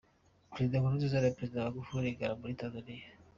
Perezida Nkurunziza na Perezida Magufuri i Ngara muri Tanzania